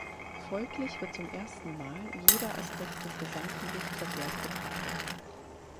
Folglich wird zum ersten Mal jeder Aspekt des gesamten Luftverkehrs betrachtet.